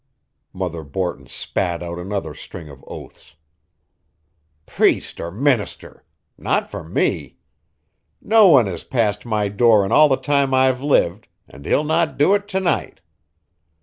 Mother Borton spat out another string of oaths. "Priest or minister! Not for me! Not one has passed my door in all the time I've lived, and he'll not do it to night.